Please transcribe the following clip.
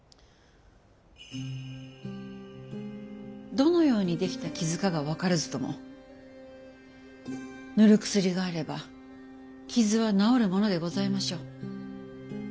どのように出来た傷かは分からずとも塗る薬があれば傷は治るものでございましょう。